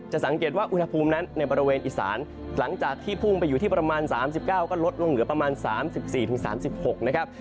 สังเกตว่าอุณหภูมินั้นในบริเวณอีสานหลังจากที่พุ่งไปอยู่ที่ประมาณ๓๙ก็ลดลงเหลือประมาณ๓๔๓๖นะครับ